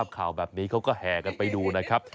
เค้าก็แหกันไปดูนะครับ